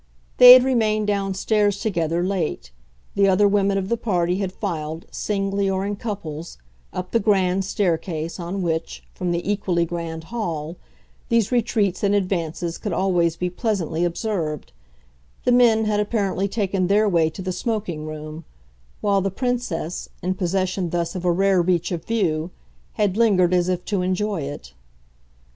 They had remained downstairs together late; the other women of the party had filed, singly or in couples, up the "grand" staircase on which, from the equally grand hall, these retreats and advances could always be pleasantly observed; the men had apparently taken their way to the smoking room; while the Princess, in possession thus of a rare reach of view, had lingered as if to enjoy it.